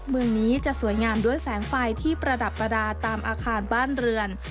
เมืองนี้จะสวยงามด้วยแสงไฟที่ประดับประดาษตามอาคารบ้านเรือน